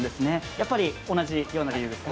やっぱり同じような理由ですか？